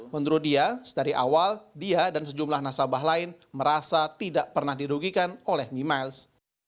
menurut dia dari awal dia dan sejumlah nasabah lain merasa tidak pernah dirugikan oleh mimiles